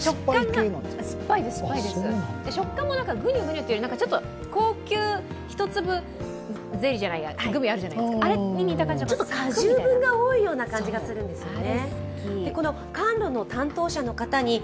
酸っぱいです、食感もぐにゅぐにゅというよりちょっと高級１粒グミあるじゃないですか、果汁分が多いような感じがするんですよね。